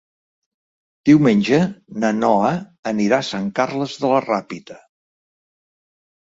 Diumenge na Noa anirà a Sant Carles de la Ràpita.